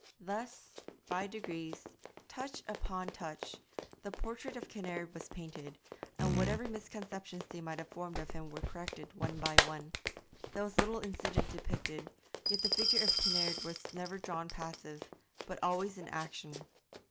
Thus, by degrees, touch upon touch, the portrait of Kinnaird was painted, and whatever misconceptions they might form of him were corrected one by one. There was little incident depicted, yet the figure of Kinnaird was never drawn passive, but always in action.